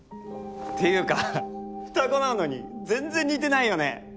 っていうか双子なのに全然似てないよね！